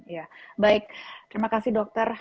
ya baik terima kasih dokter